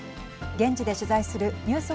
現地で取材するニュース